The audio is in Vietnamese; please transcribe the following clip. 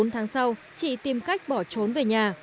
bốn tháng sau chị tìm cách bỏ trốn về nhà